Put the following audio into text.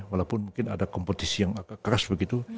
walaupun mungkin ada kompetisi yang keras begitu